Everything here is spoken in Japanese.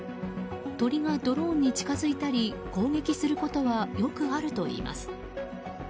鳥がドローンに近づいたり攻撃することはよくあるといいます。